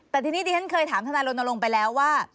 แต่ทีนี้แดนท์เคยถามธนาลงไปแล้วว่า